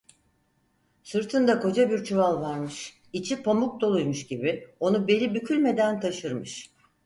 Sırtında koca bir çuval varmış, içi pamuk doluymuş gibi onu beli bükülmeden taşırmış.